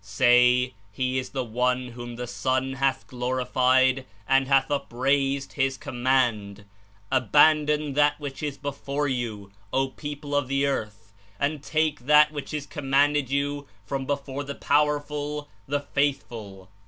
Say: He is the one whom the Son hath glorified and hath upraised His Command ! Abandon that which is before you, O people of the earth, and take that which Is commanded you from before the Powerful, the Faithful.